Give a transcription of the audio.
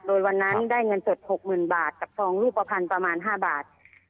โดยวันนั้นได้เงินสด๖๐๐๐บาทกับทองรูปภัณฑ์ประมาณ๕บาท